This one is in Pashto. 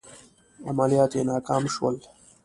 عملیات یې ناکام شول.